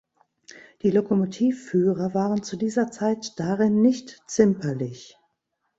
Die Lokomotivführer waren zu dieser Zeit darin nicht zimperlich.